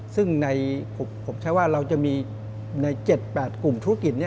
ซึ่งผมใช้ว่าเราจะมีใน๗๘กลุ่มธุรกิจ